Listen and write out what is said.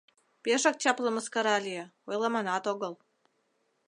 — Пешак чапле мыскара лие, ойлыманат огыл...